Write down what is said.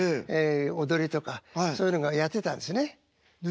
踊りとかそういうのがやってたんですね。